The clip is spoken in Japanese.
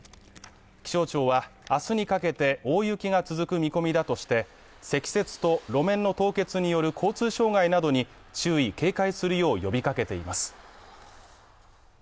気象庁は、明日にかけて大雪が続く見込みだとして積雪と路面の凍結による交通障害などに注意・警戒するよう呼びかけています。